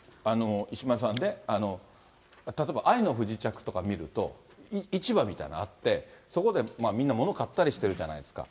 石丸さんね、例えば愛の不時着とか見ると、市場みたいなのあって、そこでみんな物買ったりしてるじゃないですか。